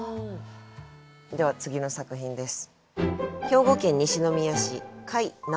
では次の作品です。